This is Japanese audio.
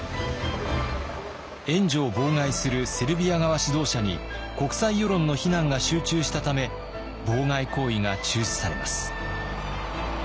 援助を妨害するセルビア側指導者に国際世論の非難が集中したため妨害行為が中止されます。